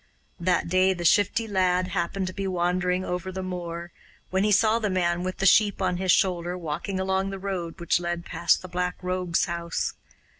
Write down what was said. That day, the Shifty Lad happened to be wandering over the moor, when he saw the man with the sheep on his shoulder walking along the road which led past the Black Rogue's house.